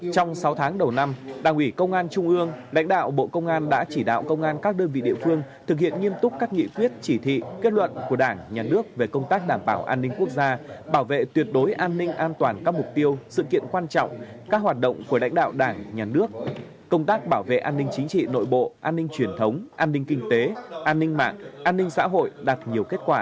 trong sáu tháng đầu năm đảng ủy công an trung ương đánh đạo bộ công an đã chỉ đạo công an các đơn vị địa phương thực hiện nghiêm túc các nghị quyết chỉ thị kết luận của đảng nhà nước về công tác đảm bảo an ninh quốc gia bảo vệ tuyệt đối an ninh an toàn các mục tiêu sự kiện quan trọng các hoạt động của đánh đạo đảng nhà nước công tác bảo vệ an ninh chính trị nội bộ an ninh truyền thống an ninh kinh tế an ninh mạng an ninh xã hội đạt nhiều kết quả